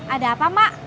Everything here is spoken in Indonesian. ada apa mak